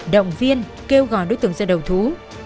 đồng viên kêu gọi đối tượng ra đầu thú